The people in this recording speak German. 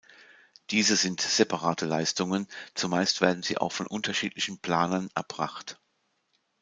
Diese sind separate Leistungen, zumeist werden sie auch von unterschiedlichen Planern erbracht.